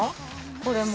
これも。